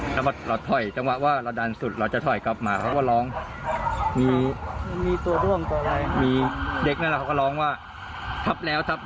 ถ้าว่าเราถ่อยจังหวะว่าเราดันสุดเราจะถ่อยกลับมาครับ